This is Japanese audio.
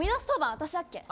私だっけ。